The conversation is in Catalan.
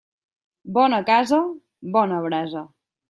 Bona casa, bona brasa.